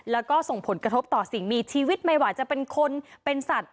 แล้วก็ส่งผลกระทบต่อสิ่งมีชีวิตไม่ว่าจะเป็นคนเป็นสัตว์